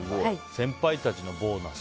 先輩たちのボーナス。